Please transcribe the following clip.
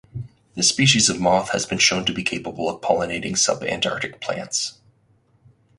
This species of moth has been shown to be capable of pollinating subantarctic plants.